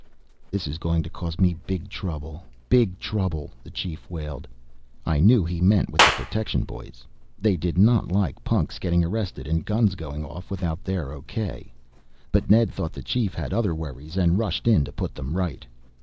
"This is going to cause me trouble, big trouble," the Chief wailed. I knew he meant with the protection boys. They did not like punks getting arrested and guns going off without their okay. But Ned thought the Chief had other worries and rushed in to put them right.